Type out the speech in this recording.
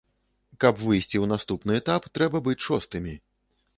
Каб выйсці ў наступны этап трэба быць шостымі.